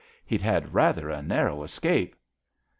He'd had rather a narrow escape."